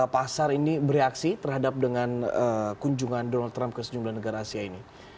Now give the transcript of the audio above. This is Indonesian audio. pasar ini bereaksi terhadap dengan kunjungan donald trump ke sejumlah negara asia ini